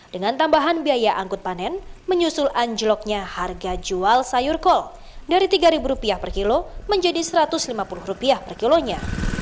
dengan tambahan biaya angkut panen menyusul anjloknya harga jual sayur kol dari rp tiga per kilo menjadi rp satu ratus lima puluh per kilonya